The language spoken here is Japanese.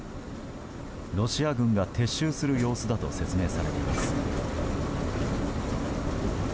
ロシア軍が撤収する様子だと説明されています。